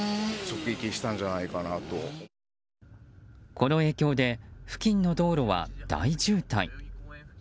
この影響で付近の道路は大渋滞。